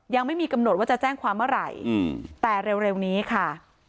ยังไม่มีกำหนดว่าจะแจ้งความเมื่อไหร่แต่เร็วนี้ค่ะ